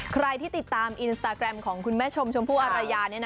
ใครที่ติดตามอินสตาแกรมของคุณแม่ชมชมพู่อารยา